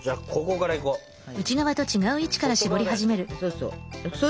そうそう。